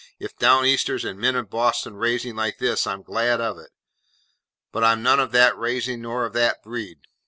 If Down Easters and men of Boston raising like this, I'm glad of it, but I'm none of that raising nor of that breed.